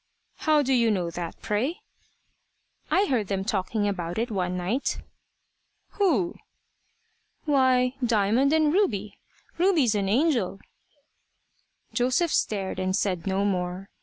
"How do you know that, pray?" "I heard them talking about it one night." "Who?" "Why Diamond and Ruby. Ruby's an angel." Joseph stared and said no more.